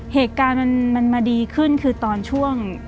เหตุการณ์มันมาดีขึ้นคือตอนช่วง